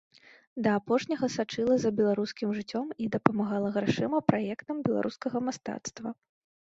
Да апошняга сачыла за беларускім жыццём і дапамагала грашыма праектам беларускага мастацтва.